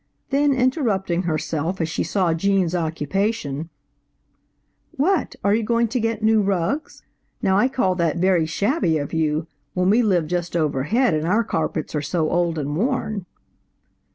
Then interrupting herself, as she saw Gene's occupation, "What, are you going to get new rugs? Now I call that very shabby of you, when we live just overhead and our carpets are so old and worn."